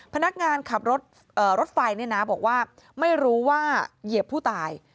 พนักงานขับรถไฟบอกว่าไม่รู้ว่าเหยียบผู้ตาย